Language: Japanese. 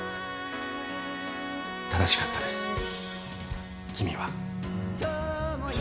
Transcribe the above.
正しかったです君は。